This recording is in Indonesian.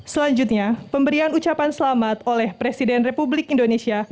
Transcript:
selanjutnya pemberian ucapan selamat oleh presiden republik indonesia